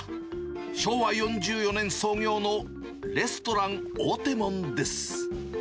昭和４４年創業のレストラン大手門です。